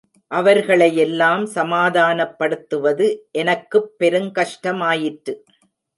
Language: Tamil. அவர்களையெல்லாம் சமாதானப்படுத்துவது எனக்குப் பெருங்கஷ்டமாயிற்று!